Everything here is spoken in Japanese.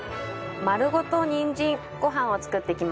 丸ごとにんじんご飯を作っていきます。